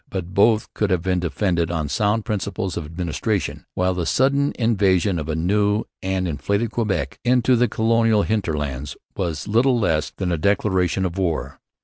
But both could have been defended on sound principles of administration; while the sudden invasion of a new and inflated Quebec into the colonial hinterlands was little less than a declaration of war.